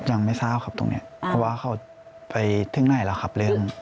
ยังไม่ทราบครับตรงนี้เพราะว่าเขาไปถึงไหนแล้วครับเรื่อง